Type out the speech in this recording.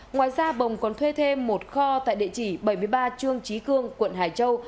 ngoài ra bồng còn thuê thêm một kho tại địa chỉ bảy mươi ba trương trí cương quận hải châu